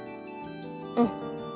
うん。